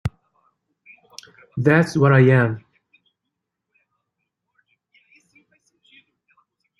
That's what I am.